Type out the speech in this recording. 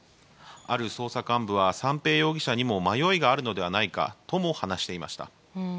ある捜査幹部は、三瓶容疑者にも迷いがあるのではないかとも話していました。